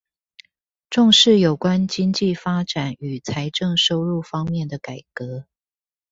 重視有關經濟發展與財政收入方面的改革